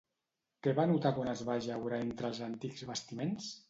Què va notar quan es va ajaure entre els antics bastiments?